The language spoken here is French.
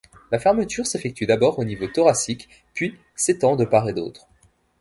La fermeture s'effectue d'abord au niveau thoracique puis s'étend de part et d'autre.